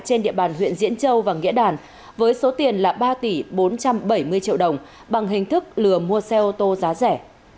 trên địa bàn huyện diễn châu và nghĩa đàn với số tiền là ba tỷ bốn trăm bảy mươi triệu đồng bằng hình thức lừa mua xe ô tô giá rẻ